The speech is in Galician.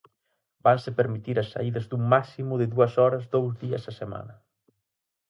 Vanse permitir as saídas dun máximo de dúas horas dous días á semana.